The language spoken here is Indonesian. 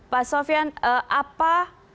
pak sofyan apa